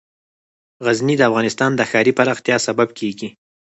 غزني د افغانستان د ښاري پراختیا سبب کېږي.